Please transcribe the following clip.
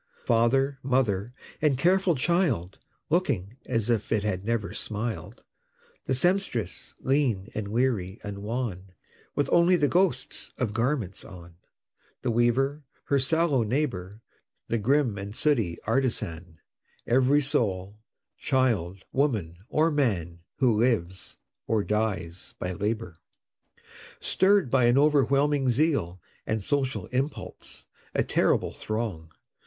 Father, mother, and careful child, Looking as if it had never smiled The Sempstress, lean, and weary, and wan, With only the ghosts of garments on The Weaver, her sallow neighbor, The grim and sooty Artisan; Every soul child, woman, or man, Who lives or dies by labor. Stirr'd by an overwhelming zeal, And social impulse, a terrible throng!